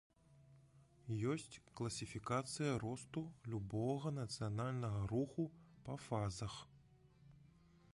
Ёсць класіфікацыя росту любога нацыянальнага руху па фазах.